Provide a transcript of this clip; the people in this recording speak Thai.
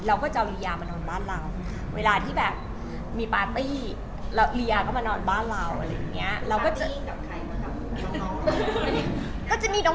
เราก็จะแบบเออดูแลพี่เป๊กดีนะวันนี้อะไรอย่างเงี้ย